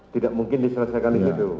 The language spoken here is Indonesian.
tidak mungkin diselesaikan di situ